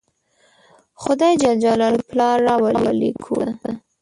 خدای ج دې پلار راولي کور ته